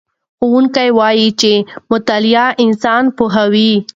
ښوونکی وایي چې مطالعه انسان پوهوي.